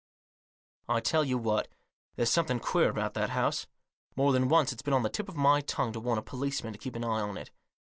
I tell you what ; there's something queer about that house. More than once it's been on the tip of my tongue to warn a policeman to keep an eye on it.